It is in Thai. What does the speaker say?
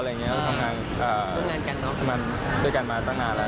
ต่างงานกันกันมาตั้งนานแล้ว